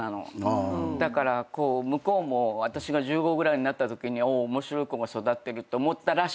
だから向こうも私が１５ぐらいになったときに面白い子が育ってるって思ったらしくて。